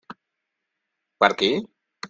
Per a qui?